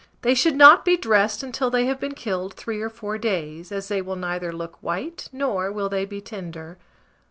They should not be dressed until they have been killed 3 or 4 days, as they will neither look white, nor will they be tender.